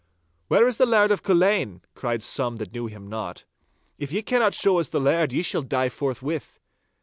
'Where is the Laird of Culzean?' cried some that knew him not. 'If ye cannot show us the laird, ye shall die forthwith!